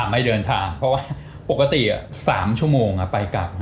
ไม่เดินทางเพราะว่าปกติ๓ชั่วโมงไปกลับ